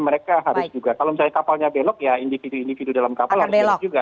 mereka harus juga kalau misalnya kapalnya belok ya individu individu dalam kapal harus belok juga